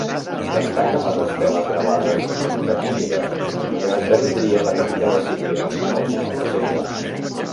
Destaquen les esteles gravades de Nínive, que esdevindria la capital assíria al final de segle.